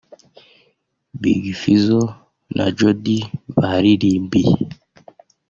Big Fizzo na Jody baririmbiye